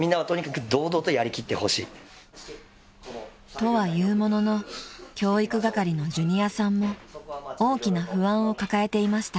［とは言うものの教育係のジュニアさんも大きな不安を抱えていました］